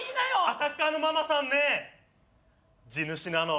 アタッカーのママさんね地主なの。